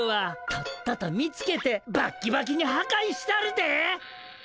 とっとと見つけてバッキバキにはかいしたるで。